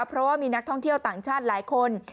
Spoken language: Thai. เพราะว่ามีนักท่องเที่ยวต่างชาติหลายคน